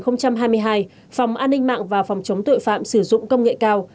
phòng an ninh mạng và phòng chống tội phạm sử dụng công nghệ cao